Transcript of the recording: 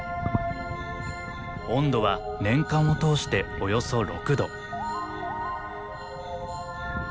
温度は年間を通しておよそ６℃。